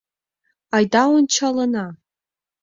— Айда ончалына.